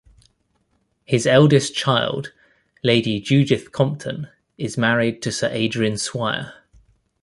His eldest child, Lady Judith Compton, is married to Sir Adrian Swire.